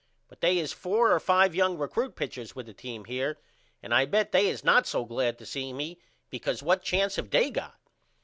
But they is four or 5 young recrut pitchers with the team here and I bet they is not so glad to see me because what chance have they got?